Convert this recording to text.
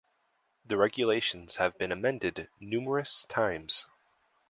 The Regulations have been amended numerous times.